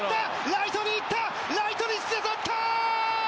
ライトに行ったライトにして取ったー！